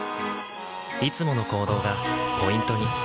いつもの行動がポイントに。